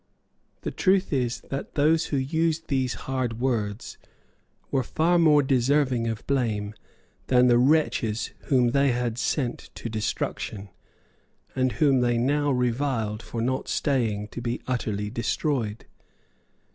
The truth is that those who used these hard words were far more deserving of blame than the wretches whom they had sent to destruction, and whom they now reviled for not staying to be utterly destroyed.